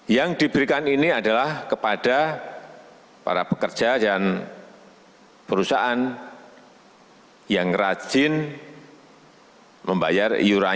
yang diberikan ini adalah kepada para pekerja dan perusahaan yang rajin membayar iuran